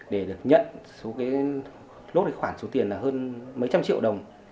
để được nhận số cái lốt này khoản số tiền là hơn mấy trăm triệu đồng